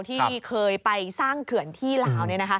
ที่เคยไปสร้างเขื่อนที่ลาว